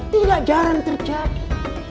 tidak jarang terjadi